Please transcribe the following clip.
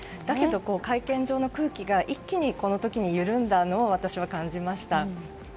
だけど会見場の空気が一気に、この時に緩んだのを私は感じました。